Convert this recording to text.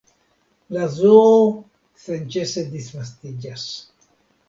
La zoo senĉese disvastiĝas.